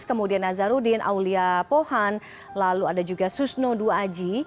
kemudian nazarudin aulia pohan lalu ada juga susno duaji